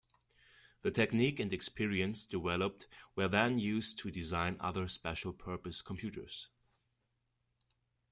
The technique and experience developed were then used to design other special-purpose computers.